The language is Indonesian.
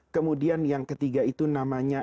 kemudian yang ketiga itu namanya